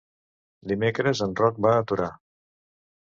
Dimecres en Roc va a Torà.